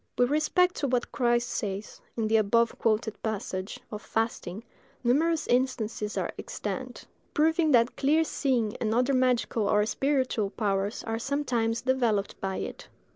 With respect to what Christ says, in the above quoted passage, of fasting, numerous instances are extant, proving that clear seeing and other magical or spiritual powers are sometimes developed by it.